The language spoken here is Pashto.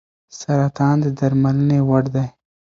سرطان د درملنې وړ دی.